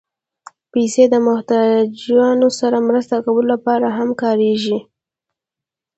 پېسې د محتاجانو سره مرسته کولو لپاره هم کارېږي.